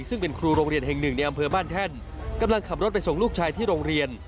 ซึ่งเป็นครูโรงเรียนแห่งหนึ่งในอำเภอบ้านแท่นกำลังขับรถไปส่งลูกชายที่โรงเรียน